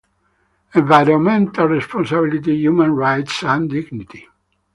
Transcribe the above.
Environmental responsibility, Human rights and dignity.